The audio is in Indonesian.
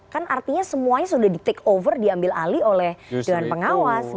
kan artinya semuanya sudah di take over diambil alih oleh dewan pengawas